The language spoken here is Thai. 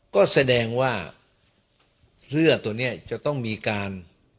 ก็แสดงว่าเสื้อตัวนี้จะต้องมีการ